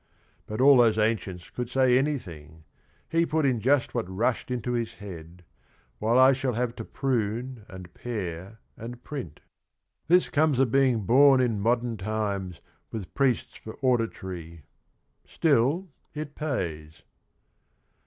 But all those ancients could say anything I He put in just what rushed into his head : While I shall have to prune and pare and print. This comes of being born in modern times With priests for auditory. Still, it pays."